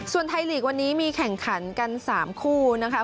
ส่วนไทยลีกวันนี้มีแข่งขันกัน๓คู่นะคะ